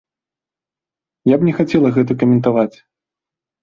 Я б не хацела гэта каментаваць.